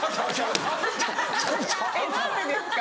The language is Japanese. えっ何でですか？